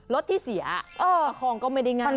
รถที่เสียประคองก็ไม่ได้งัด